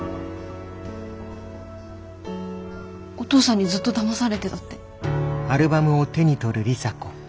お父さんにずっとだまされてたって。